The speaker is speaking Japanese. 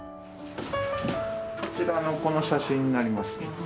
こちらのこの写真になります。